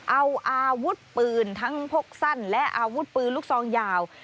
เอาอาวุธปืนทั้งพกสั้นและอาวุธปืนลูกซองยาว